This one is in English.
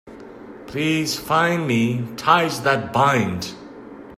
Please fine me, Ties That Bind.